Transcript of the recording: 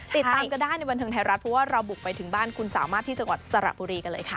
ติดตามกันได้ในบันเทิงไทยรัฐเพราะว่าเราบุกไปถึงบ้านคุณสามารถที่จังหวัดสระบุรีกันเลยค่ะ